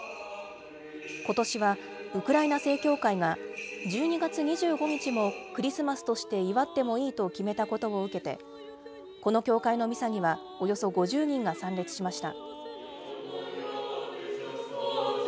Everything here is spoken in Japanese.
ことしはウクライナ正教会が１２月２５日もクリスマスとして祝ってもいいと決めたことを受けて、この教会のミサには、およそ５０人が参列しました。